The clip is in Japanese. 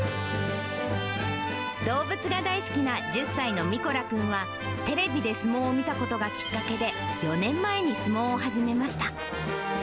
動物が大好きな１０歳のミコラ君は、テレビで相撲を見たことがきっかけで、４年前に相撲を始めました。